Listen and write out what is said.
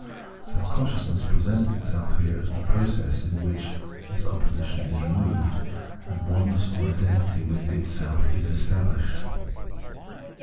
Self conscious ness presents itself here as the process in which this opposition is removed, and oneness or identity with itself estabhshed.